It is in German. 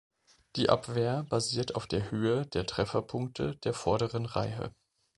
Die Abwehr basiert auf der Höhe der Trefferpunkte der vorderen Reihe.